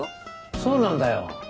そうなんだよ。